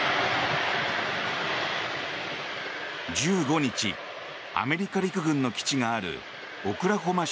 １５日アメリカ陸軍の基地があるオクラホマ州